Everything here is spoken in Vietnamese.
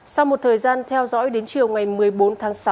sau một thời gian theo dõi đến chiều ngày một mươi bốn tháng sáu